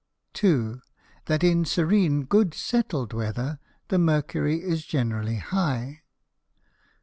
2. That in serene good settled Weather, the Mercury is generally high.